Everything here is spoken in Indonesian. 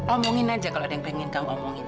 omongin aja kalau ada yang pengen kamu omongin